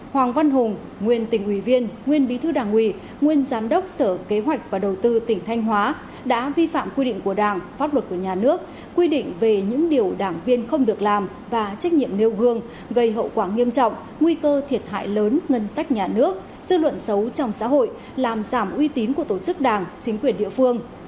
hoàng văn hùng nguyên tỉnh ủy viên nguyên bí thư đảng ủy nguyên giám đốc sở kế hoạch và đầu tư tỉnh thanh hóa đã vi phạm quy định của đảng pháp luật của nhà nước quy định về những điều đảng viên không được làm và trách nhiệm nêu gương gây hậu quả nghiêm trọng nguy cơ thiệt hại lớn ngân sách nhà nước dư luận xấu trong xã hội làm giảm uy tín của tổ chức đảng chính quyền địa phương